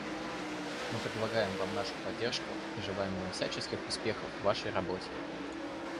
Мы предлагаем Вам нашу поддержку и желаем Вам всяческих успехов в Вашей работе.